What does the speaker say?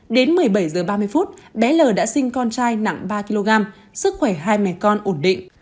đến một mươi bảy h ba mươi phút bé l đã sinh con trai nặng ba kg sức khỏe hai mẹ con ổn định